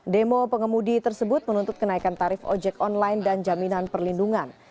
demo pengemudi tersebut menuntut kenaikan tarif ojek online dan jaminan perlindungan